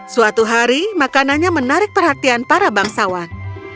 suatu hari makanannya menarik perhatian para bangsawan